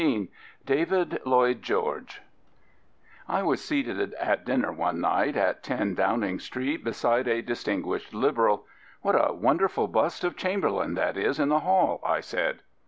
128 DAVID LLOYD GEORGE I WAS seated at dinner one night at lo Downing Street beside a distinguished Liberal. " What a wonder ful bust of Chamberlain that is in the hall/' I said.